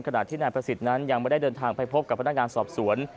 ขณะที่นายประสิทธิ์นั้นยังไม่ได้เดินทางไปพบกับพนักงานสอบสวน